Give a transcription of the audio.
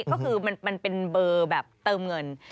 ก็คือมันเป็นเบอร์แบบเติมเงิน